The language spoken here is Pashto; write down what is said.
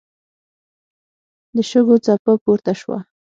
د شګو څپه پورته شوه.